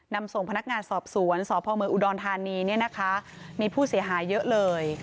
นำส่งพนักงานสอบสวนสพอุดรธานีมีผู้เสียหายเยอะเลย